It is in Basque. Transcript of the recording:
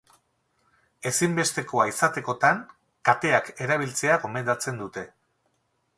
Ezinbestekoa izatekotan, kateak erabiltzea gomendatzen dute.